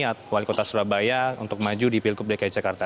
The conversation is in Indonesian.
atau wali kota surabaya untuk maju di pilgub dki jakarta